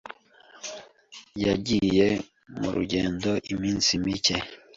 Yagiye mu rugendo iminsi mike.